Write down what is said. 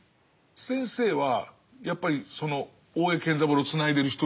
先生はやっぱりその大江健三郎を繋いでる一人だと思うんです。